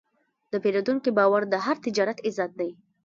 د پیرودونکي باور د هر تجارت عزت دی.